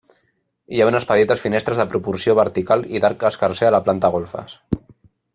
Hi ha unes petites finestres de proporció vertical i d'arc escarser a la planta golfes.